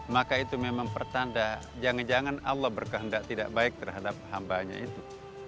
maka itu memang pertanda jangan jangan allah berkehendak tidak baik terhadap hambanya itu